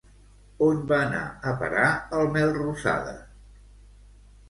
On va anar a parar el Melrosada?